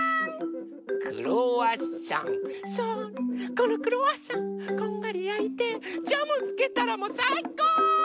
このクロワッサンこんがりやいてジャムつけたらもうさいこ！